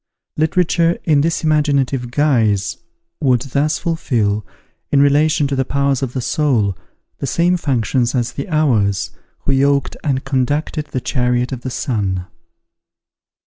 Literature in this imaginative guise, would thus fulfil, in relation to the powers of the soul, the same functions as the Hours, who yoked and conducted the chariot of the Sun.